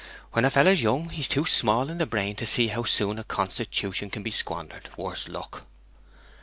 When a feller's young he's too small in the brain to see how soon a constitution can be squandered, worse luck!'